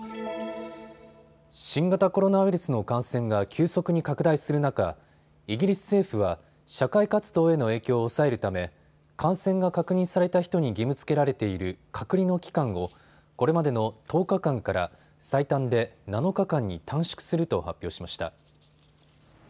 新型コロナウイルスの感染が急速に拡大する中、イギリス政府は社会活動への影響を抑えるため感染が確認された人に義務づけられている隔離の期間をこれまでの１０日間から最短で７日間に短縮すると発表しました。